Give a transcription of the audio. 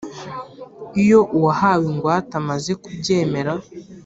Iyo uwahawe ingwate amaze kubyemera